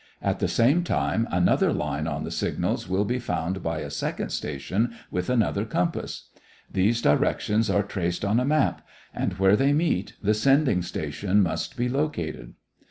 At the same time, another line on the signals will be found by a second station with another compass. These directions are traced on a map; and where they meet, the sending station must be located.